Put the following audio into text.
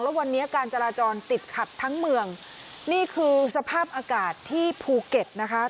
แล้ววันนี้การจราจรติดขัดทั้งเมืองนี่คือสภาพอากาศที่ภูเก็ตนะคะ